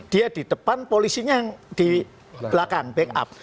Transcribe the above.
dia di depan polisinya yang di belakang back up